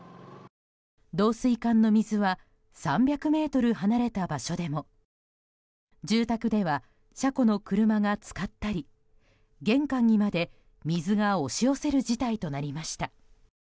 導水管の水は３００ｍ離れた場所でも住宅では、車庫の車が浸かったり玄関にまで水が押し寄せる事態となりました。